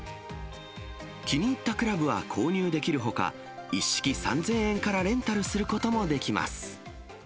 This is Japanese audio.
気に入ったクラブは購入できるほか、一式３０００円からレンタルすることもできます。